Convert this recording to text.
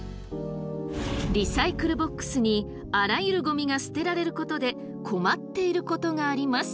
リサイクルボックスにあらゆるゴミが捨てられることで困っていることがあります。